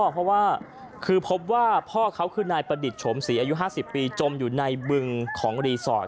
เพราะว่าคือพบว่าพ่อเขาคือนายประดิษฐ์โฉมศรีอายุ๕๐ปีจมอยู่ในบึงของรีสอร์ท